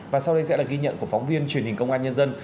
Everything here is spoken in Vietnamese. và sau đây sẽ là ghi nhận của phóng viên truyền hình công an nhân dân